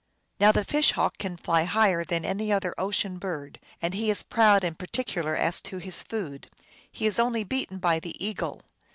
Now the Fish Hawk can fly higher than any other ocean bird, and he is proud and particular as to his food ; he is only beaten by the eagle.